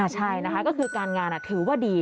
ใช่นะคะก็คือการงานถือว่าดี